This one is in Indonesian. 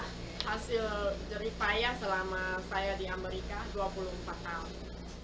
hasil jeripaya selama saya di amerika dua puluh empat tahun